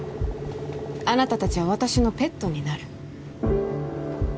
あなた達は私のペットになる